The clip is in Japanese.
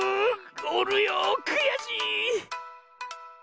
おるよくやしい！